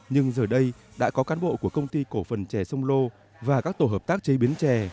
nhưng giờ đây đã có cán bộ của công ty cổ phần chè sông lô và các tổ hợp tác chế biến chè